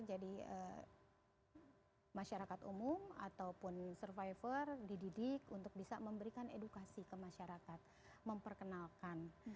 jadi masyarakat umum ataupun survivor dididik untuk bisa memberikan edukasi ke masyarakat memperkenalkan